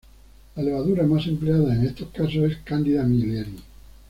La levadura más empleada en estos casos es "Candida milleri".